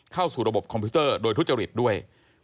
เข้าสู่ระบบคอมพิวเตอร์โดยทุจริตด้วย